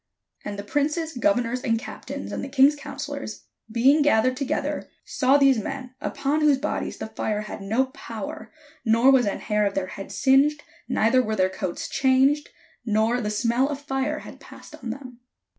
And the princes, governors, and captains, and the king's counsellors, being gathered together, saw these men, upon whose bodies the fire had no power, nor was an hair of their head singed, neither were their coats changed, nor the smell of fire had passed on them.